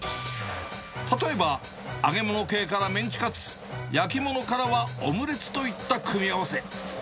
例えば、揚げ物系からメンチカツ、焼き物からはオムレツといった組み合わせ。